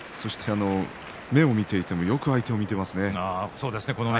目を見ているとよく相手を見ていますね。